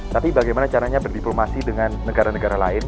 tapi bagaimana caranya berdiplomasi dengan negara negara lain